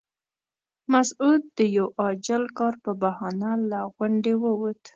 مسعود د یوه عاجل کار په بهانه له غونډې ووت.